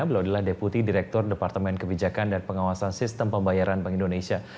beliau adalah deputi direktur departemen kebijakan dan pengawasan sistem pembayaran bank indonesia